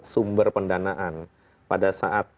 sumber pendanaan pada saat